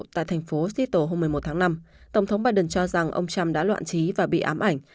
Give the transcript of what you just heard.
tại thành phố sito hôm một mươi một tháng năm tổng thống biden cho rằng ông trump đã loạn trí và bị ám ảnh